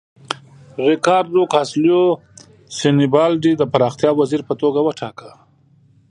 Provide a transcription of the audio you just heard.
ریکاردو کاسټیلو سینیبالډي د پراختیا وزیر په توګه وټاکه.